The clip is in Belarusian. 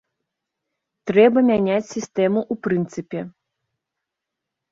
Трэба мяняць сістэму ў прынцыпе.